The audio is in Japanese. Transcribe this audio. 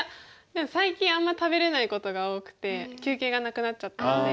でも最近あんまり食べれないことが多くて休憩がなくなっちゃったので。